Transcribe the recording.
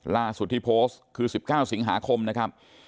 ล่าสุดที่โพสต์คือ๑๙สิงหาคมนะครับ